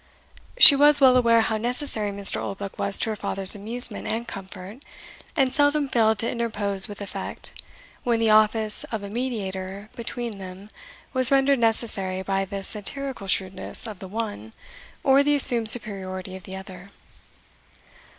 She was well aware how necessary Mr. Oldbuck was to her father's amusement and comfort, and seldom failed to interpose with effect, when the office of a mediator between them was rendered necessary by the satirical shrewdness of the one, or the assumed superiority of the other.